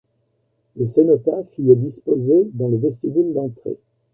Le cénotaphe y est disposé dans le vestibule d’entrée.